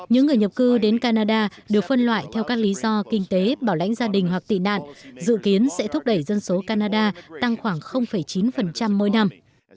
những người nhập cư đến canada được phân loại theo các lý do kinh tế bảo lãnh gia đình hoặc tị nạn dự kiến sẽ thúc đẩy dân số canada tăng khoảng chín mỗi năm